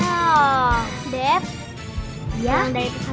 bisa deb aku cobain dulu ya